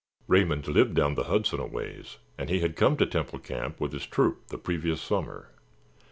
Raymond lived down the Hudson a ways and he had come to Temple Camp with his troop the previous summer.